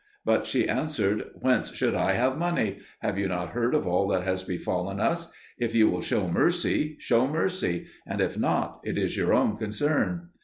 But she answered, "Whence should I have money? Have you not heard of all that has befallen us? If you will show mercy, show mercy; and if not, it is your own concern."